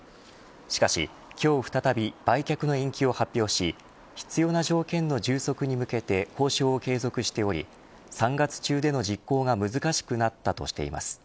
しかし、今日再び売却の延期を発表し必要な条件の充足に向けて交渉を継続しており３月中での実行が難しくなったとしています。